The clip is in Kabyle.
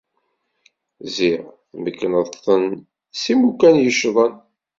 Ziɣ, tmekkneḍ-ten s imukan yeccḍen.